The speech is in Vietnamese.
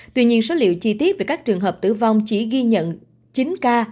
tuy nhiên số liệu chi tiết về các trường hợp tử vong chỉ ghi nhận chín ca